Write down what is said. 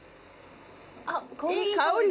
あっいい香り。